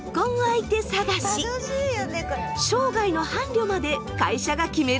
生涯の伴侶まで会社が決めるのです。